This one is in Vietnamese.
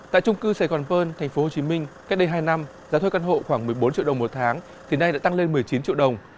tại trung cư sài gòn pơn tp hcm cách đây hai năm giá thuê căn hộ khoảng một mươi bốn triệu đồng một tháng thì nay đã tăng lên một mươi chín triệu đồng